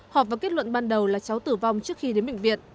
họp và kết luận ban đầu là cháu tử vong trước khi đến bệnh viện